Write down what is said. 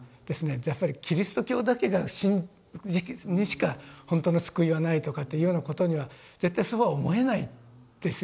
やっぱりキリスト教にしか本当の救いはないとかというようなことには絶対そうは思えないですよね。